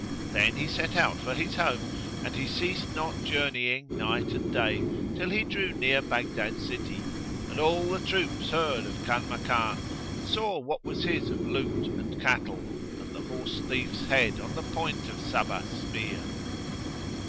Then he set out for his home and he ceased not journeying night and day till he drew near Baghdad city, and all the troops heard of Kanmakan, and saw what was his of loot and cattle and the horse thief's head on the point of Sabbah's spear.